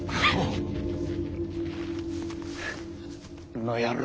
この野郎！